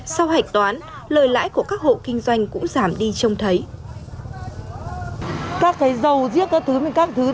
sau hạch toán lời lãi của các hộ kinh doanh cũng giảm đi trông thấy